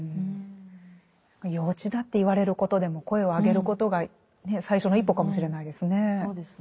幼稚だって言われることでも声を上げることが最初の一歩かもしれないですね。